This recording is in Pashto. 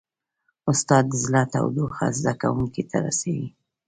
استاد د زړه تودوخه زده کوونکو ته رسوي.